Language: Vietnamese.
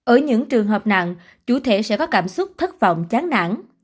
ở những trường hợp nặng chủ thể sẽ có cảm xúc thất vọng chán nản